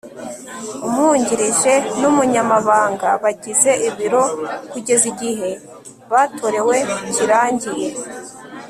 umwungirije n'umunyamabanga bagize ibiro kugeza igihe batorewe kirangiye